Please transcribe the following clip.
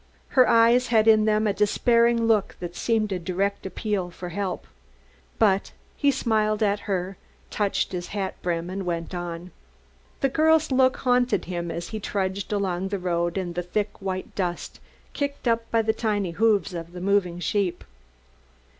Her eyes had in them a despairing look that seemed a direct appeal for help. But he smiled at her, touched his hat brim and went on. The girl's look haunted him as he trudged along the road in the thick white dust kicked up by the tiny hoofs of the moving sheep.